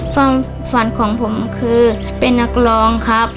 ความฝันของผมคือเป็นนักร้องครับ